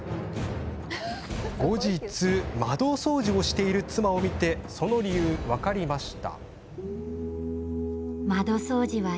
後日、窓掃除をしている妻を見てその理由が分かりました。